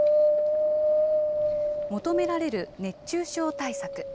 求められる熱中症対策